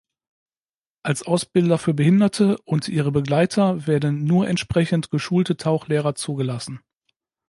Als Ausbilder für Behinderte und ihre Begleiter werden nur entsprechend geschulte Tauchlehrer zugelassen.